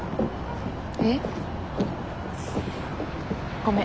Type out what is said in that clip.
ごめん。